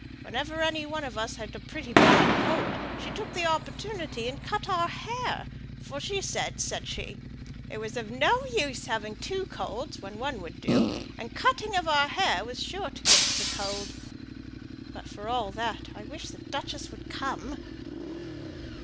Whenever any on us had got a pretty bad cold, she took the opportunity and cut our hair; for she said, said she, it was of no use having two colds when one would do and cutting of our hair was sure to give us a cold. But, for all that, I wish the duchess would come."